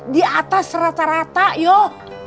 di atas rata rata yuk